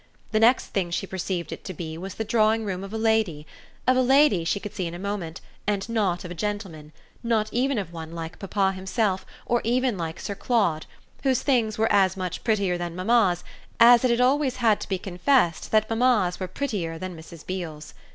The next thing she perceived it to be was the drawing room of a lady of a lady, she could see in a moment, and not of a gentleman, not even of one like papa himself or even like Sir Claude whose things were as much prettier than mamma's as it had always had to be confessed that mamma's were prettier than Mrs. Beale's.